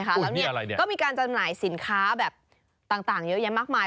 แล้วก็มีการจำหน่ายสินค้าแบบต่างเยอะแยะมากมาย